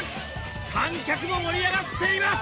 観客も盛り上がっています！